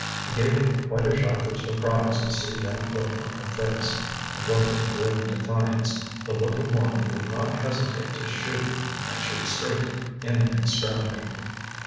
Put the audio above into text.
It gave him quite a shock of surprise to see that look on her face—a look of grim defiance, the look of one who would not hesitate to shoot, and shoot straight, in an extremity.